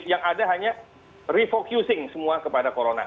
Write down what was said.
yang ada hanya refocusing semua kepada corona